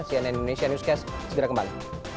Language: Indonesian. cnn indonesia newscast segera kembali